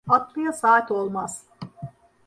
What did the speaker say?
Atlıya saat olmaz.